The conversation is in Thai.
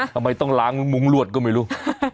ทำไมต้องล้างมุ้งลวดก็ไม่รู้